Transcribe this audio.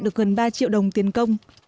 được gần ba triệu đồng tiền cơ